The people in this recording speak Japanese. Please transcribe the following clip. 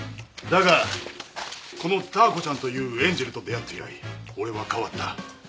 だがこのダー子ちゃんというエンジェルと出会って以来俺は変わった。